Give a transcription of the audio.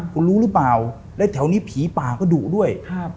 คุณรู้หรือเปล่าและแถวนี้ผีป่าก็ดุด้วยครับ